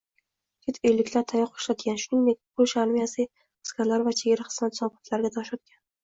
Chet elliklar tayoq ishlatgan, shuningdek, Polsha armiyasi askarlari va chegara xizmati zobitlariga tosh otgan